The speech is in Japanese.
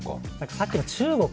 さっきの中国